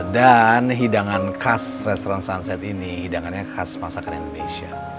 dan hidangan khas restaurant sunset ini hidangannya khas masakan indonesia